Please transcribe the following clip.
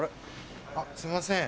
すいません。